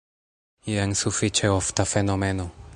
Jen sufiĉe ofta fenomeno.